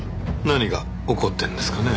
何が起こってるんですかね？